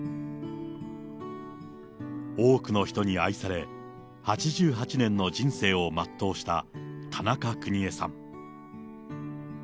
多くの人に愛され、８８年の人生を全うした田中邦衛さん。